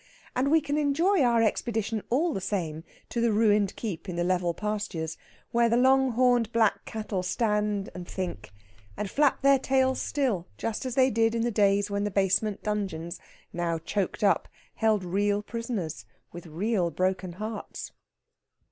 And we can enjoy our expedition all the same to the ruined keep in the level pastures, where the long horned black cattle stand and think and flap their tails still, just as they did in the days when the basement dungeons, now choked up, held real prisoners with real broken hearts.